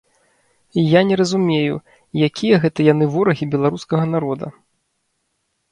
Я не разумею, якія гэта яны ворагі беларускага народа?